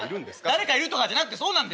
誰かいるとかじゃなくてそうなんだよ。